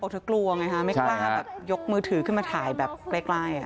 เธอกลัวไงฮะไม่กล้าแบบยกมือถือขึ้นมาถ่ายแบบใกล้